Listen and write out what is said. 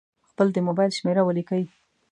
خپل د مبایل شمېره ولیکئ.